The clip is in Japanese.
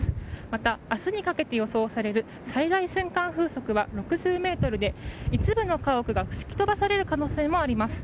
また、明日にかけて予想される最大瞬間風速は６０メートルで一部の家屋が吹き飛ばされる可能性もあります。